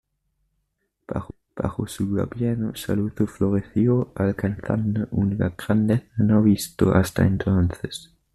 Bajo su gobierno Saluzzo floreció alcanzando una grandeza no visto hasta entonces.